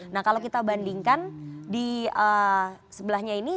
nah kalau kita bandingkan di sebelahnya ini